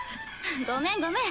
ごめんごめん。